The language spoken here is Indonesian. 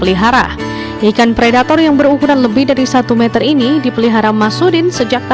ikan peliharaan masudin